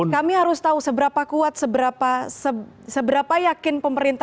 kami harus tahu seberapa kuat seberapa yakin pemerintah